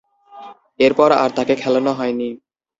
এরপর আর তাকে খেলানো হয়নি।